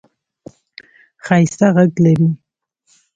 ښایسته ږغ لرې !